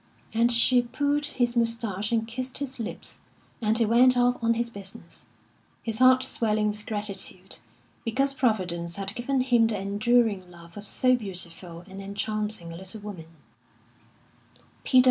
And she pulled his moustache and kissed his lips; and he went off on his business, his heart swelling with gratitude, because Providence had given him the enduring love of so beautiful and enchanting a little woman.